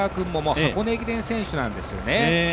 箱根駅伝選手なんですよね。